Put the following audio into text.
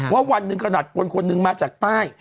วันหนึ่งขนาดคนคนหนึ่งมาจากใต้